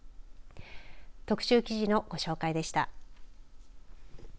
特集記事のご紹介でした。